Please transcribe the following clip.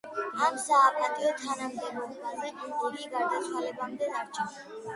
ამ საპატიო თანამდებობაზე იგი გარდაცვალებამდე დარჩა.